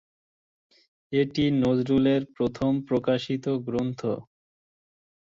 এটি নজরুলের প্রথম প্রকাশিত গ্রন্থ।